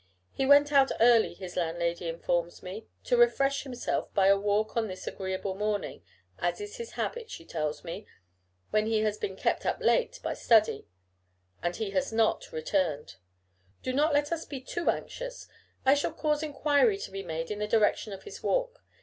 He went out early, his landlady informs me, to refresh himself by a walk on this agreeable morning, as is his habit, she tells me, when he has been kept up late by study; and he has not returned. Do not let us be too anxious. I shall cause enquiry to be made in the direction of his walk.